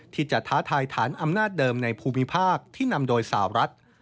ท้าทายฐานอำนาจเดิมในภูมิภาคที่นำโดยสาวรัฐ